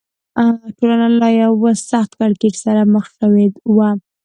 ټولنه له یوه سخت کړکېچ سره مخ شوې وه.